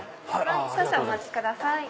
少々お待ちください。